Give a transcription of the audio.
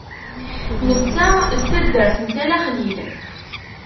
Netta n taddart n Tala Xlil.